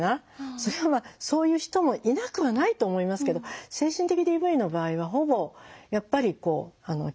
それはそういう人もいなくはないと思いますけど精神的ＤＶの場合はほぼやっぱり極めて紳士的な態度です。